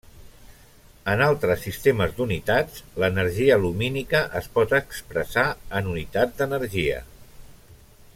En altres sistemes d'unitats, l'energia lumínica es pot expressar en unitats d'energia.